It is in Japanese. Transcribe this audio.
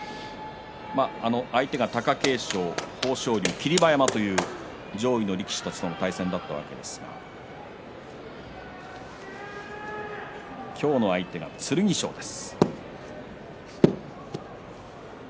相手が貴景勝、豊昇龍、霧馬山という上位の力士たちとの対戦だったわけですが今日の相手が剣翔です。